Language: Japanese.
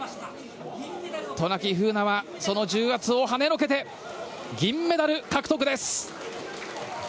渡名喜風南はその重圧をはねのけて銀メダル獲得です！